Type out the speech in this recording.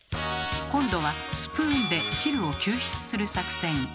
今度はスプーンで汁を救出する作戦。